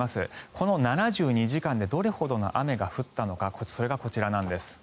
この７２時間でどれほどの雨が降ったのかそれがこちらなんです。